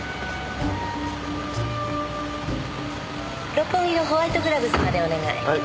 六本木のホワイトグラブズまでお願い。